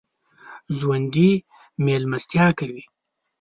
ژوندي مېلمستیا کوي